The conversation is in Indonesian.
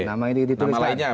nama lainnya begitu ya